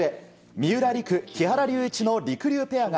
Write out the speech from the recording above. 三浦璃来、木原龍一のりくりゅうペアが